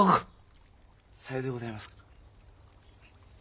さようでございますか。